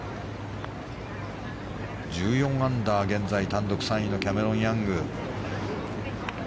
１４アンダー、現在単独３位のキャメロン・ヤング。